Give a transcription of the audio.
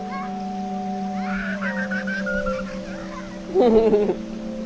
フフフフ。